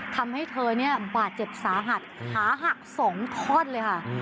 ทำให้เธอเนี่ยบาดเจ็บสาหัสขาหัก๒ท่อนเลยค่ะ